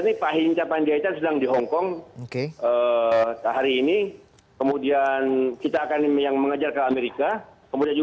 ini pak hinca pandy aichan sedang di hongkong hari ini